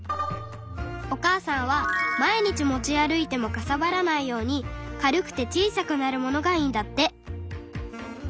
お母さんは毎日持ち歩いてもかさばらないように「軽く」て「小さくなる」ものがいいんだって。